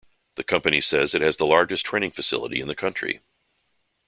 The company says it is the largest training facility in the country.